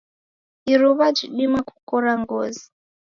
Iruwa jidima kukora ngozi.